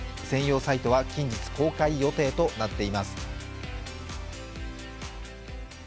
専用サイトは近日公開予定となっています。